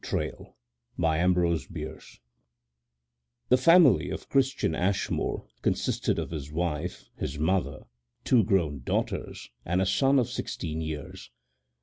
CHARLES ASHMOREŌĆÖS TRAIL THE family of Christian Ashmore consisted of his wife, his mother, two grown daughters, and a son of sixteen years.